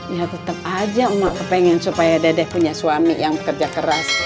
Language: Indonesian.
ya tetep aja mak kepengen supaya dedeh punya suami yang kerja keras